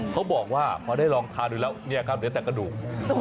เขาบอกว่าพอได้ลองทานดูแล้วเนี่ยครับเหลือแต่กระดูก